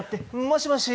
もしもし。